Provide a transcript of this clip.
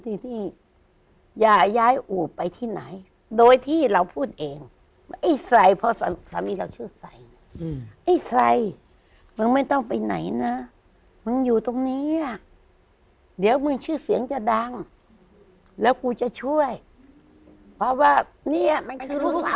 ที่ที่อย่าย้ายอู่ไปที่ไหนโดยที่เราพูดเองว่าไอ้ใส่เพราะสามีเราชื่อใส่ไอ้ใส่มึงไม่ต้องไปไหนนะมึงอยู่ตรงเนี้ยเดี๋ยวมึงชื่อเสียงจะดังแล้วกูจะช่วยเพราะว่าเนี่ยมันคือลูกสาว